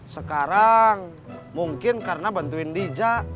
sekarang mungkin karena bantuin bijak